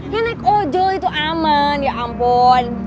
yang naik ojol itu aman ya ampun